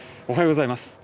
おはようございます。